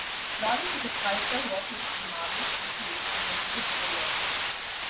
Laurie is a sculptor working in marble and clay and exhibits her work.